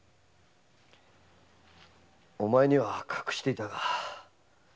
お前には隠していたが。